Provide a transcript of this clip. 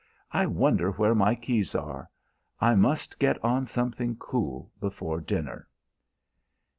"I wonder where my keys are? I must get on something cool before dinner."